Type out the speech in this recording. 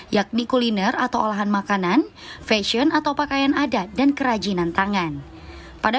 yakni kuliner atau olahan makanan fashion atau pakaian adat dan kerajinan tangan pada